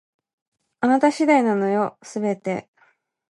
あなた次第なのよ、全て